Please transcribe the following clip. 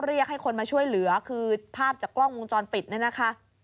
เรียกให้คนมาช่วยเหลือคือภาพจากกล้องวงจรปิดเนี่ยนะคะ